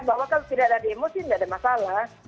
bahwa kalau tidak ada demo sih tidak ada masalah